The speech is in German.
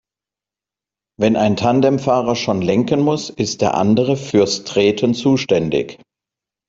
Wenn ein Tandemfahrer schon lenken muss, ist der andere fürs Treten zuständig.